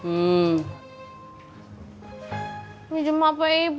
ini cuma apa ibu